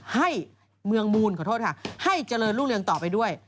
ให้เมืองมูลขอโทษค่ะให้เจริญรุ่งเรืองต่อไปด้วย